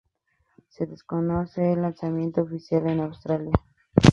Se desconoce el lanzamiento oficial en Australia.